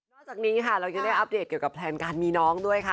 จากนี้ค่ะเรายังได้อัปเดตเกี่ยวกับแพลนการมีน้องด้วยค่ะ